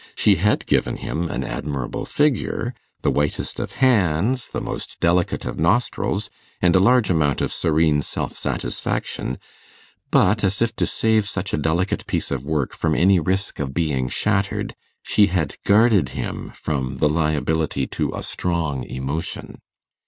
She had given him an admirable figure, the whitest of hands, the most delicate of nostrils, and a large amount of serene self satisfaction; but, as if to save such a delicate piece of work from any risk of being shattered, she had guarded him from the liability to a strong emotion.